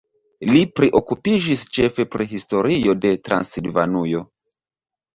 Li priokupiĝis ĉefe pri historio de Transilvanujo.